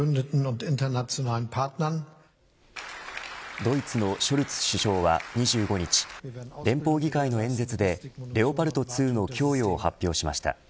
ドイツのショルツ首相は２５日連邦議会の演説でレオパルト２の供与を発表しました。